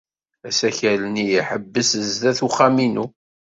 Asakal-nni iḥebbes sdat uxxam-inu.